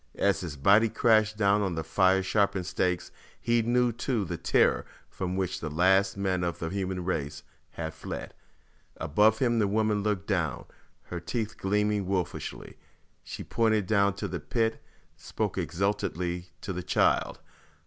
As his body crashed down on the fire sharpened stakes, he knew too the terror from which the last men of the human race had fled. Above him the woman looked down, her teeth gleaming wolfishly. She pointed down into the pit; spoke exultantly to the child.